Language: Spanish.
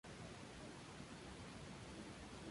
Byrne comenzó su carrera en St.